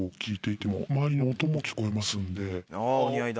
あぁお似合いだ。